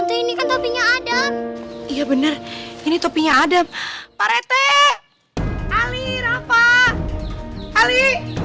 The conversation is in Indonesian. nanti ini kan topinya ada iya bener ini topinya ada parete kali rafa kali